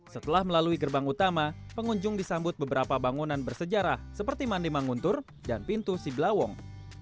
setelah melalui gerbang utama pengunjung disambut beberapa bangunan bersejarah seperti mandi manguntur dan pintu siblawong